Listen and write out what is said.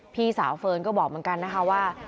พี่สาวเฟิร์นก็บอกเหมือนกันนะคะว่า